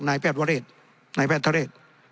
นายแพทย์เทศ